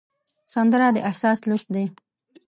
سندره د احساس لوست دی